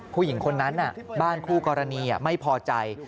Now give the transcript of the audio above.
ผู้หญิงคนนั้นบ้านคู่กรณีไม่พอใจ